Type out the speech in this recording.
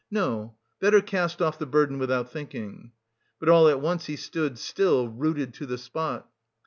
"No, better cast off the burden without thinking." But all at once he stood still, rooted to the spot.